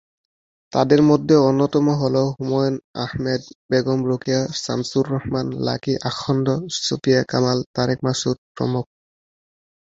তাদের মধ্যে অন্যতম হলো: হুমায়ুন আহমেদ, বেগম রোকেয়া, শামসুর রহমান, লাকী আখন্দ, সুফিয়া কামাল, তারেক মাসুদ প্রমুখ।